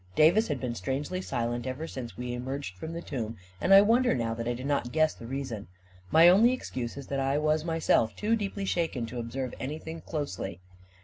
Davis had been strangely silent ever since we emerged from the tomb, and I wonder now that I did not guess the reason. My only excuse is that I was myself too deeply shaken to observe anything closely.